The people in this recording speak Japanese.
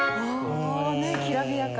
きらびやか。